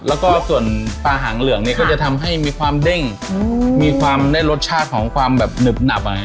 แล้วก็ส่วนปลาหางเหลืองเนี่ยก็จะทำให้มีความเด้งมีความได้รสชาติของความแบบหนึบหนับ